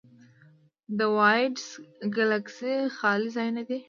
د وایډز ګلکسي خالي ځایونه دي.